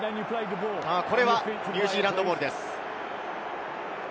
ニュージーランドボールです。